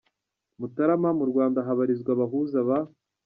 Mutarama.Mu Rwanda habarizwa abahuza ba.